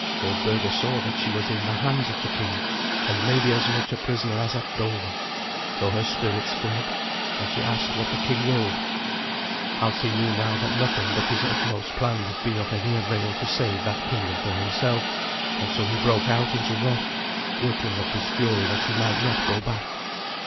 Goldberga saw that she was in the hands of the king, and maybe as much a prisoner as at Dover. So her spirits fled, and she asked what the king willed. Alsi knew now that nothing but his utmost plan would be of any avail to save that kingdom for himself, and so he broke out into wrath, working up his fury that he might not go back.